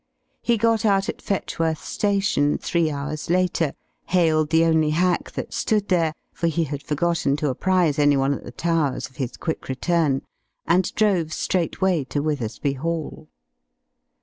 He got out at Fetchworth station three hours later, hailed the only hack that stood there for he had forgotten to apprise any one at the Towers of his quick return and drove straightway to Withersby Hall.